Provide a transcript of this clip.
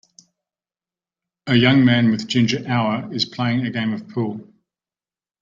A young man with ginger hour is playing a game of pool.